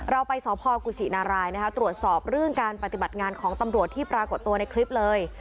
เราไปสพกุศินารายนะคะตรวจสอบเรื่องการปฏิบัติงานของตำรวจที่ปรากฏตัวในคลิปเลย